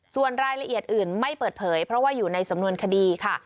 ส่วนรายละเอียดอื่นไม่เปิดเผยเพราะว่าอยู่ในสำนวนคดีค่ะ